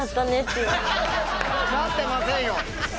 なってませんよ